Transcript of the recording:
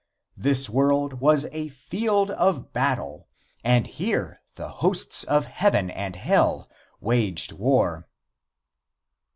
This world was a field of battle, and here the hosts of heaven and hell waged war.